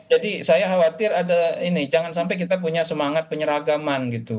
jadi saya khawatir ada ini jangan sampai kita punya semangat penyeragaman gitu